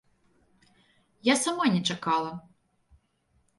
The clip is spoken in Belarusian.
Я сама не чакала.